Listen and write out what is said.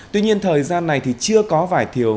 tuy nhiên thời gian này thì chưa có vải thiều